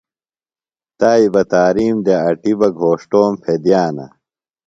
تائی بہ تارِیم دےۡ اٹیۡ بہ گھوݜٹوم پھیدِیانہ۔